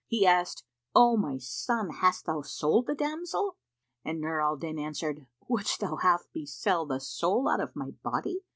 He asked, "O my son, hast thou sold the damsel?"; and Nur al Din answered, "Wouldst thou have me sell the soul out of my body?"